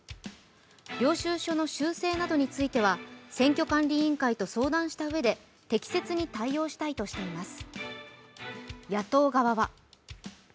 領収書の修正などについては選挙管理委員会と相談したうえで適切に対応したいとしています。